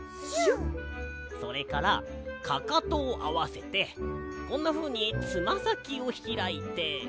それからかかとをあわせてこんなふうにつまさきをひらいて。